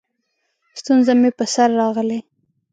ستونزه مې په سر راغلې؛